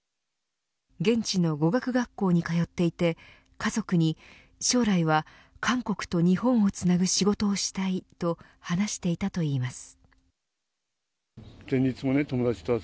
現地の語学学校に通っていて家族に将来は韓国と日本をつなぐ仕事をしたいと話していたといいます。